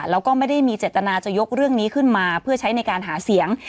แล้วก็ไม่ได้มีเจตนาจะยกเรื่องนี้ขึ้นมาเพื่อใช้ในการหาเสียง